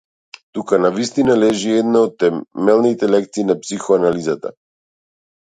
Тука навистина лежи една од темелните лекции на психоанализата.